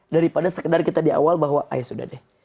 daripada sekedar kita di awal bahwa ayo sudah deh